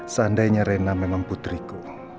seandainya rena memang putriku